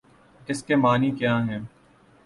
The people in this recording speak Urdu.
اس کے معانی کیا ہیں؟